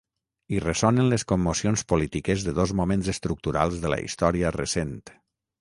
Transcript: Hi ressonen les commocions polítiques de dos moments estructurals de la història recent.